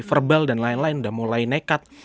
verbal dan lain lain udah mulai nekat